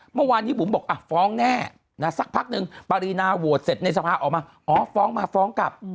เมื่อวานนี้บุ๋มบอกฟ้องแน่นะสักพักนึงปรินาโหวตเสร็จในสภาออกมาอ๋อฟ้องมาฟ้องกลับ